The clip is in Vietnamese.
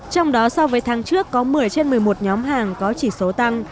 trong đó so với tháng trước có một mươi trên một mươi một nhóm hàng có chỉ số tăng